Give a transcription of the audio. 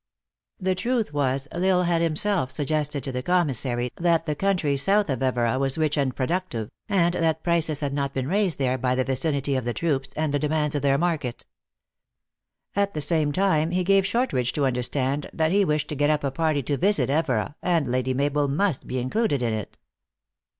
The truth was, L Isle had himself suggested to the commissary that the country south of Evora was rich and productive, and that prices had not been raised there by the vicinity of the troops, and the demands of their market. At the same time he gave Short ridge to understand that he wished to get up a party to visit Evora, and Lady Mabel must be included in it.